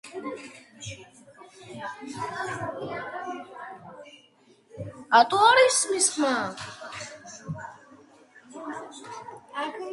ეს პრობლემა მობილურ ტელეფონთან დისტანციური კავშირის დამყარებით მოიხსნა.